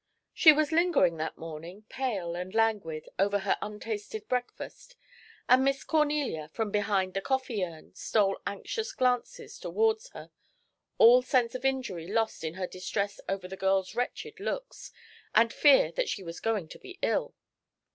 She was lingering that morning, pale and languid, over her untasted breakfast, and Miss Cornelia, from behind the coffee urn, stole anxious glances towards her, all sense of injury lost in her distress over the girl's wretched looks, and fear that she was going to be ill.